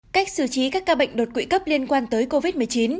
cách xử trí các ca bệnh đột quỵ cấp liên quan tới covid một mươi chín